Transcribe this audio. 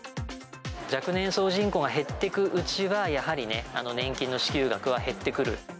若年層人口が減っていくうちは、やはりね、年金の支給額は減ってくる。